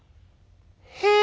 「へえ！